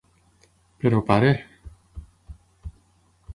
Però pare...